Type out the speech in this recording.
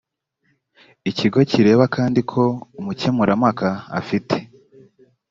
ikigo kireba kandi ko umukemurampaka afite